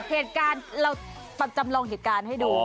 เหตุการณ์เราจำลองเหตุการณ์ให้ดู